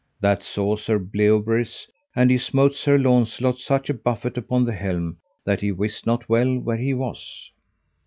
That saw Sir Bleoberis, and he smote Sir Launcelot such a buffet upon the helm that he wist not well where he was.